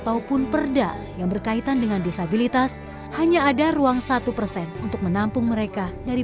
tanpa kenal lelah mereka pun dengan cekatan menyediakan hidangan